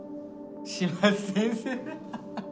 嶋津先生。